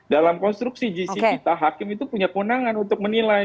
dalam konstruksi gc kita hakim itu punya kewenangan untuk menilai